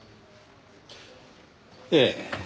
ええ。